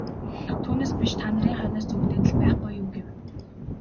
Түүнээс биш та нарын хойноос зүүгдээд л байхгүй юу гэв.